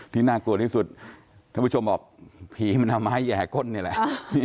น่ากลัวที่สุดท่านผู้ชมบอกผีมันทำให้แห่ก้นนี่แหละ